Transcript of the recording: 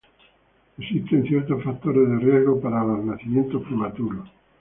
Existen ciertos factores de riesgo para los nacimientos prematuros.